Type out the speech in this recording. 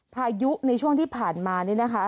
พายุในช่วงที่ผ่านมานี่นะคะ